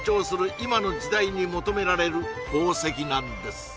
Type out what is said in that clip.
今の時代に求められる宝石なんです